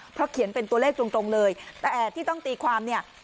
เพราะเขียนเป็นตัวเลขตรงเลยแต่ที่ต้องตีความเนี่ย